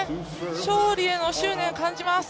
勝利への執念を感じます。